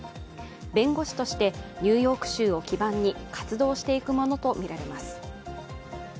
弁護士としてニューヨーク州を基盤に活動していくものとみられます。